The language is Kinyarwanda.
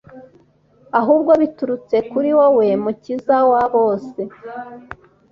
ahubwo biturutse kuri wowe, mukiza wa bose